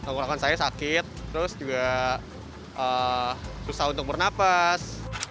kelakuan saya sakit terus juga susah untuk bernafas